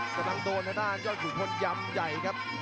จะยังโดนธดานยอดขุมคนย่ำใหญ่ครับ